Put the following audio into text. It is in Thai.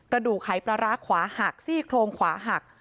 ดูหายปลาร้าขวาหักซี่โครงขวาหัก